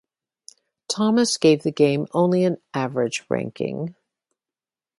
Thomas gave the game only an average ranking.